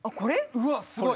うわっすごい！